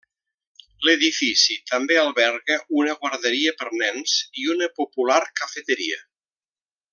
L'edifici també alberga una guarderia per nens i una popular cafeteria.